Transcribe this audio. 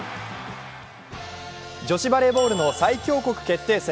女子バレーボールの最強国決定戦。